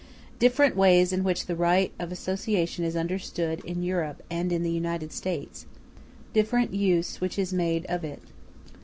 Different ways in which the right of association is understood in Europe and in the United States—Different use which is made of it.